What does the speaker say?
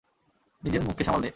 নিজের মুখকে সামাল দে!